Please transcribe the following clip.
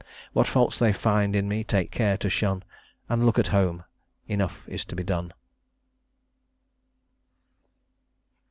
What faults they find in me take care, to shun; And look at home enough is to be done."